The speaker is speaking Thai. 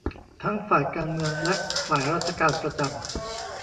ทั้งฝ่ายการเมืองและฝ่ายราชการประจำ